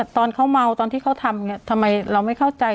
ตอนเขาเมาตอนที่เขาทำทำไมเราไม่เข้าใจ